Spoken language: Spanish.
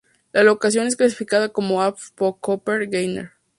La locación es clasificada como Af por Köppen-Geiger.